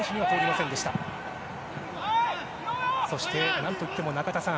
何といっても、中田さん。